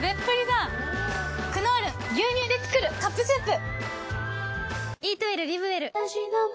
「クノール牛乳でつくるカップスープ」